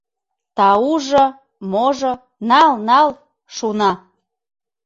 — Таужо-можо, нал-нал, — шуна.